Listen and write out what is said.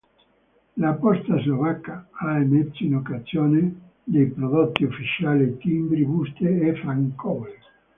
La Posta Slovacca ha emesso in occasione dei prodotti ufficiali: timbri, buste e francobolli.